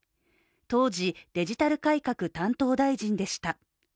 当時、デジタル改革担当大臣でした。